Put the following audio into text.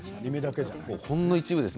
ほんの一部です。